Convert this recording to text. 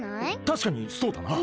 たしかにそうだな。